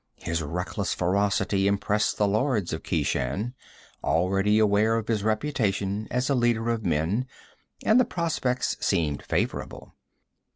His reckless ferocity impressed the lords of Keshan, already aware of his reputation as a leader of men, and the prospects seemed favorable.